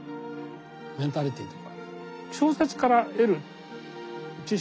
メンタリティーとか。